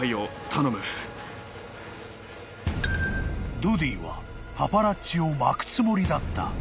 ［ドディはパパラッチをまくつもりだった］